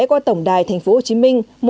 qua tổng đài tp hcm